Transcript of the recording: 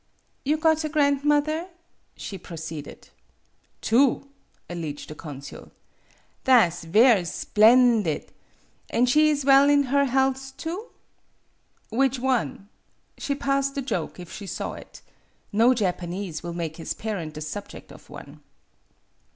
"You got a grandmother?" she pro ceeded. "Two," alleged the consul. " Tha' 's ver' splen did. An' is she well in her healths also ?" "Which one?" She passed the joke, if she saw it. No Japanese will make his parent the subject of one.